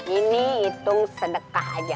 ini hitung sedekah aja